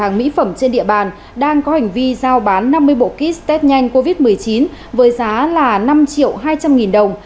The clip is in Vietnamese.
hàng mỹ phẩm trên địa bàn đang có hành vi giao bán năm mươi bộ kit test nhanh covid một mươi chín với giá là năm triệu hai trăm linh nghìn đồng